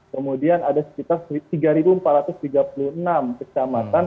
kemudian ada sekitar tiga empat ratus tiga puluh enam kecamatan